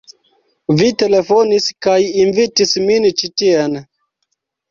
Vi telefonis kaj invitis min ĉi tien.